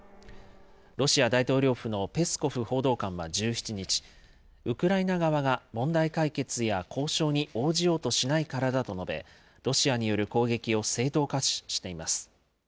ロシア大統領府のペスコフ報道官は１７日、ウクライナ側が問題解決や交渉に応じようとしないからだと述べ、ロシアによる攻撃を正当化しています。